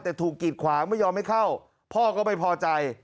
แต่ถูกกีดขวางไม่ยอมให้เข้าพ่อก็ไม่พอใจ